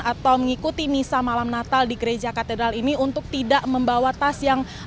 atau mengikuti misa malam natal di gereja katedral ini untuk tidak membawa tas yang